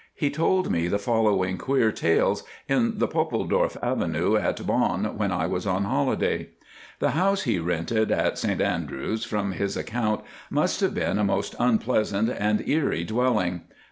He told me the following queer tales in the Poppledorf Avenue at Bonn when I was on holiday. The house he rented at St Andrews, from his accounts, must have been a most unpleasant and eerie dwelling.